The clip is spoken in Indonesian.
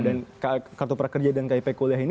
dan kartu prakerja dan kip kuliah ini